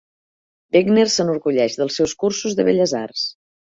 Berkner s'enorgulleix dels seus cursos de belles arts.